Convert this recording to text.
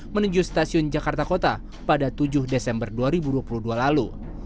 menuju stasiun jakarta kota pada tujuh desember dua ribu dua puluh dua lalu